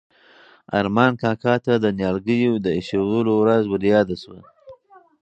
ارمان کاکا ته د نیالګیو د ایښودلو ورځ وریاده شوه.